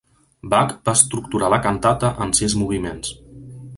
Bach va estructurar la cantata en sis moviments.